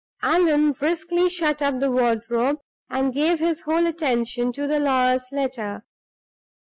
Allan briskly shut up the wardrobe, and gave his whole attention to the lawyer's letter.